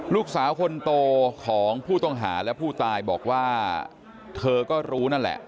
ลูกสาวคนโตของผู้ต้องหาและผู้ตายบอกว่าเธอก็รู้นั่นแหละ